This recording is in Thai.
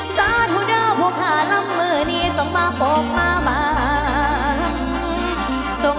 สาธุเดอร์ผู้ผ่าลำมือนี้ส่งมาบอกมาบาง